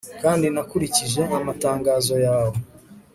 kandi nakurikije amatangazo yawe